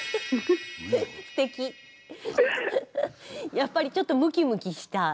やっぱりちょっとムキムキした。